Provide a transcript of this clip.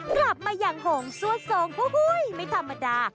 กลับมาอย่างโหงซั่วทรงไม่ธรรมดา